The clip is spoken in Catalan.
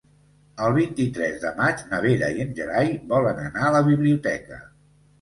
El vint-i-tres de maig na Vera i en Gerai volen anar a la biblioteca.